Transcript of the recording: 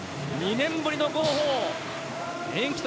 ２年ぶりの号砲。